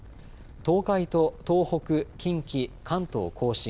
東海と東北、近畿、関東甲信